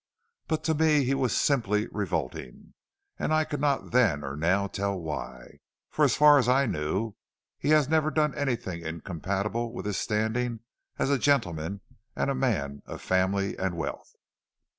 But to me he was simply revolting, and I could not then or now tell why, for, as far as I know, he has never done anything incompatible with his standing as a gentleman and a man of family and wealth.